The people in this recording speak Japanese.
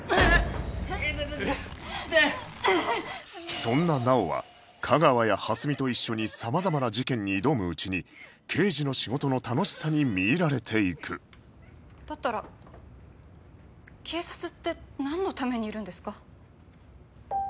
そんな直央は架川や蓮見と一緒に様々な事件に挑むうちに刑事の仕事の楽しさに魅入られていくだったら警察ってなんのためにいるんですか？